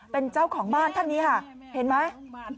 เป็นเจ้าของบ้านท่านนี้ค่ะเห็นไหม